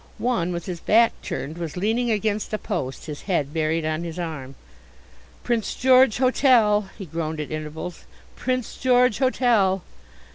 One, with his back turned, was leaning against a post, his head buried on his arm. "Prince George Hotel," he groaned at intervals. "Prince George Hotel."